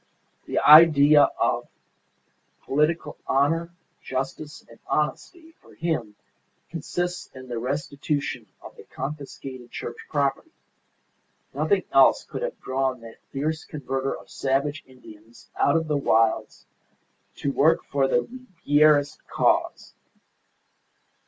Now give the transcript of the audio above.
The idea of political honour, justice, and honesty for him consists in the restitution of the confiscated Church property. Nothing else could have drawn that fierce converter of savage Indians out of the wilds to work for the Ribierist cause!